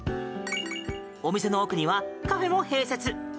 お店の奥にはカフェも併設。